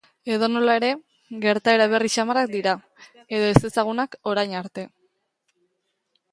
Edonola ere, gertaera berri samarrak dira, edo ezezagunak orain arte.